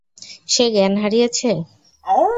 সে জ্ঞান হারিয়েছে?